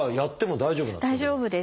大丈夫です。